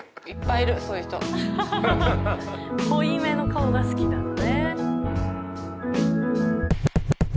濃いめの顔が好きなのね。